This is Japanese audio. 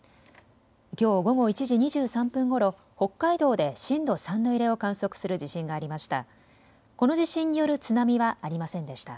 きょう午後１時２３分ごろ北海道で震度３の揺れを観測する地震がありました。